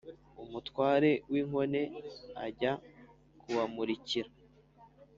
umutware w’inkone ajya kubamumurikira